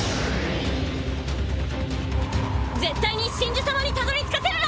絶対に神樹様にたどりつかせるな！